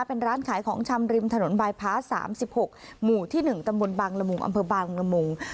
เป็นร้านขายของชำริมถนนบายพ้าสามสิบหกหมู่ที่หนึ่งตำบลบางลมงค์อำเภอบาลบางลมงค์